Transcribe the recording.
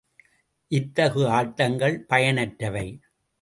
இத்தகு ஆட்டங்கள் பயனற்றவை.